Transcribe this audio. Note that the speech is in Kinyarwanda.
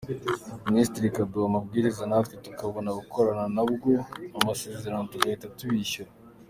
Minisiteri ikaduha amabwiriza natwe tukabona gukorana nabo amasezerano tugahita tubishyura.